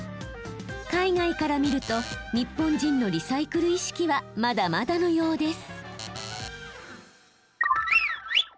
海外から見ると日本人のリサイクル意識はまだまだのようです。